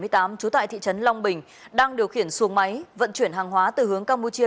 trú tại thị trấn long bình đang điều khiển xuồng máy vận chuyển hàng hóa từ hướng campuchia